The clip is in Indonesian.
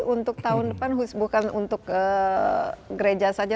untuk tahun depan bukan untuk gereja saja